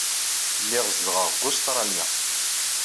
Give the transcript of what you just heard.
Lliɣ zedɣeɣ deg Ustṛalya.